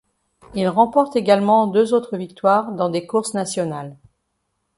Il remporte également deux autres victoires dans des courses nationales.